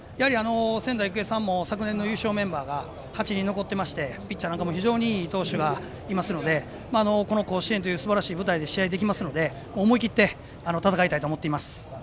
仙台育英さんも昨年の優勝メンバーが８人残っていましてピッチャーなんかも非常にいい投手がいますのでこの甲子園というすばらしい舞台で試合できますので思い切って戦いたいと思っています。